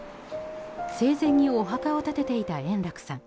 生前にお墓を建てていた円楽さん。